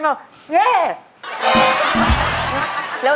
ยิ่งเสียใจ